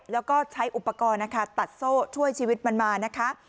แล้วก็ใช้อุปกรณ์นะคะตัดโซ่ช่วยชีวิตมันมานะคะ